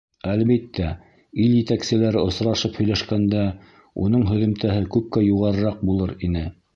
Әлбиттә, ил етәкселәре осрашып һөйләшкәндә уның һөҙөмтәһе күпкә юғарыраҡ булыр ине.